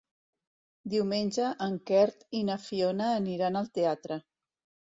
Diumenge en Quer i na Fiona aniran al teatre.